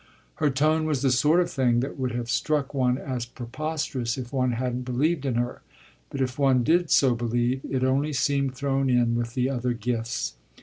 Her tone was the sort of thing that would have struck one as preposterous if one hadn't believed in her; but if one did so believe it only seemed thrown in with the other gifts.